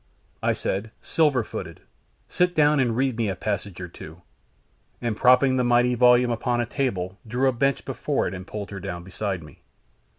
I said, "Silver footed, sit down and read me a passage or two," and propping the mighty volume upon a table drew a bench before it and pulled her down beside me.